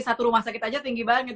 satu rumah sakit aja tinggi banget